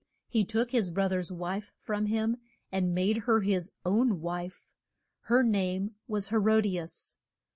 He took his broth er's wife from him and made her his own wife. Her name was He ro di as.